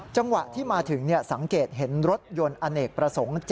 จังหวะที่มาถึงสังเกตเห็นรถยนต์อเนกประสงค์